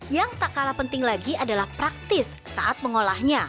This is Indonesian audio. yang tak kalah penting lagi adalah praktis saat mengolahnya